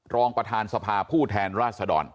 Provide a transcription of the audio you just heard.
รองประธานสภาผู้แทนราชดร